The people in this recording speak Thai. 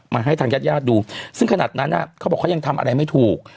ให้ทางญาติญาติดูซึ่งขนาดนั้นเขาบอกเขายังทำอะไรไม่ถูก